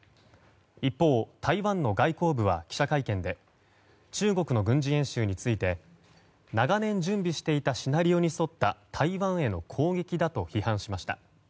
一方、台湾の外交部は記者会見で中国の軍事演習について長年準備していたシナリオに沿った台湾への攻撃だと批判しました。